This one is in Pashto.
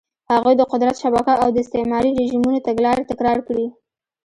هغوی د قدرت شبکه او د استعماري رژیمونو تګلارې تکرار کړې.